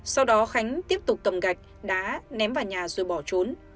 sau đó khánh tiếp tục cầm gạch đá ném vào nhà rồi bỏ trốn